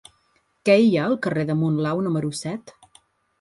Què hi ha al carrer de Monlau número set?